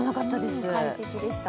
快適でした。